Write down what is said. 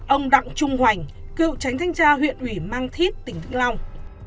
chín ông đặng trung hoành cựu tránh thanh tra huyện ủy mang thít tỉnh vĩnh long